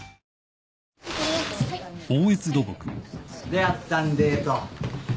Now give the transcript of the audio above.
どやったんデート。